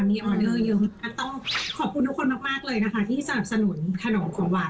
มีออเดอร์เยอะต้องขอบคุณทุกคนมากมากเลยนะคะที่สนับสนุนขนมของหวาน